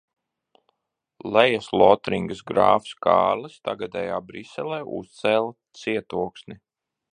Lejaslotringas grāfs Kārlis tagadējā Briselē uzcēla cietoksni.